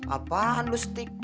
apaan lu setiq